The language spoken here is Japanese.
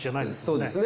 そうですね。